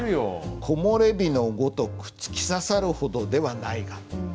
「木漏れ日のごとく、突き刺さる程ではないが」。